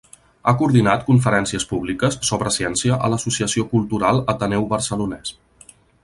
Ha coordinat conferències públiques sobre ciència a l’associació cultural Ateneu Barcelonès.